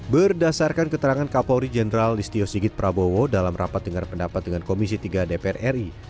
berdasarkan keterangan kapolri jenderal listio sigit prabowo dalam rapat dengar pendapat dengan komisi tiga dpr ri